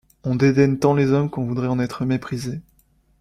On dédaigne tant les hommes qu’on voudrait en être méprisé.